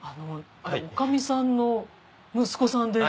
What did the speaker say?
女将さんの息子さんで？